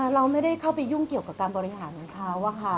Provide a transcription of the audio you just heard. เราไม่ได้เข้าไปยุ่งเกี่ยวกับการบริหารของเขา